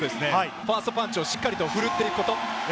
ファーストパンチをしっかりとふるっていくこと。